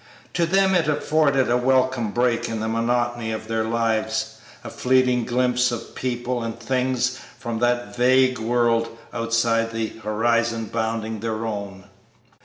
To them it afforded a welcome break in the monotony of their lives, a fleeting glimpse of people and things from that vague world outside the horizon bounding their own.